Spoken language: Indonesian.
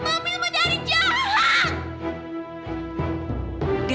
mami lu dari jahat